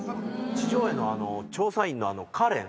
地上絵の調査員のカレン。